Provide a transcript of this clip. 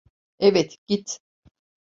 Evet, git.